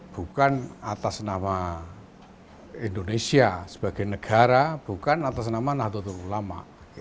bukan atas nama indonesia sebagai negara bukan atas nama nahdlatul ulama